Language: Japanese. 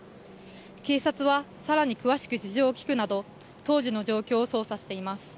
警察はさらに詳しく事情を聞くなど当時の状況を捜査しています。